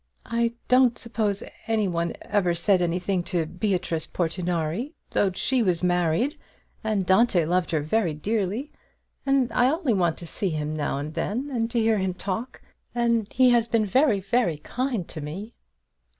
I don't suppose any one ever said anything to Beatrice Portinari, though she was married, and Dante loved her very dearly; and I only want to see him now and then, and to hear him talk; and he has been very, very kind to me."